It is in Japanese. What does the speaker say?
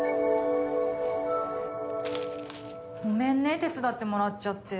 ごめんね手伝ってもらっちゃって。